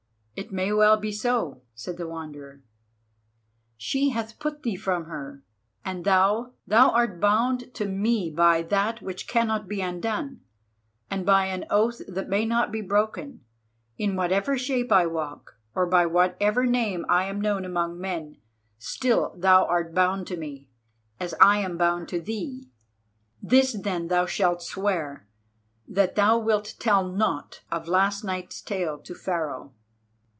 "It may well be so," said the Wanderer. "She hath put thee from her, and thou—thou art bound to me by that which cannot be undone, and by an oath that may not be broken; in whatever shape I walk, or by whatever name I am known among men, still thou art bound to me, as I am bound to thee. This then thou shalt swear, that thou wilt tell naught of last night's tale to Pharaoh."